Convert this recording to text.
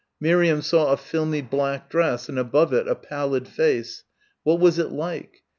Miriam saw a filmy black dress, and above it a pallid face. What was it like?